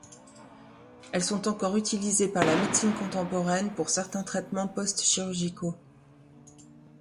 Elles sont encore utilisées par la médecine contemporaine pour certains traitements post-chirurgicaux.